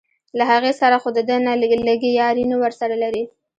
له هغې سره خو دده نه لګي یاري نه ورسره لري.